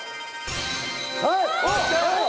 はい！